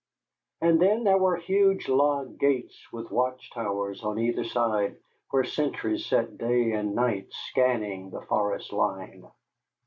And then there were huge log gates with watch towers on either side where sentries sat day and night scanning the forest line.